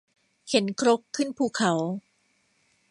เข็นครกขึ้นภูเขา